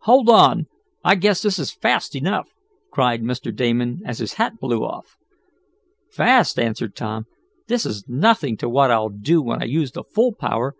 "Hold on! I guess this is fast enough!" cried Mr. Damon, as his hat blew off. "Fast?" answered Tom. "This is nothing to what I'll do when I use the full power.